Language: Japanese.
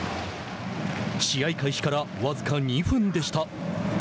試合開始から僅か２分でした。